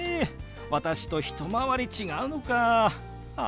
私と一回り違うのかあ。